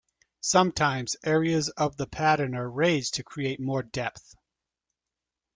Sometimes areas of the pattern are raised to create more depth.